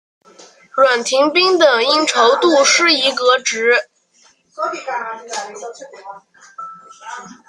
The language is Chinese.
阮廷宾因筹度失宜革职。